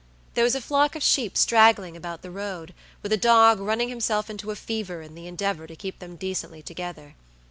There was a flock of sheep straggling about the road, with a dog running himself into a fever in the endeavor to keep them decently together.